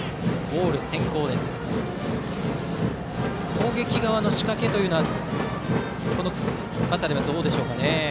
攻撃側の仕掛けというのはこのバッターではどうでしょうか。